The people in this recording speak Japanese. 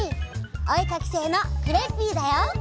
おえかきせいのクレッピーだよ！